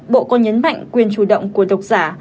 bộ còn nhấn mạnh quyền chủ động của độc giả